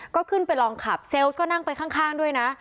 ก็ขึ้นไปลองขับเซลล์ก็นั่งไปข้างด้วยนะ